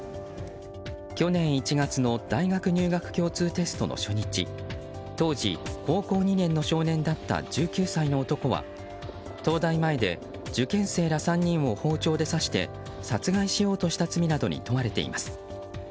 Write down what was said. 去年１月の大学入学共通テストの初日当時、高校２年の少年だった１９歳の男は東大前で受験生ら３人を包丁で刺して殺害しようとした罪などに問われています。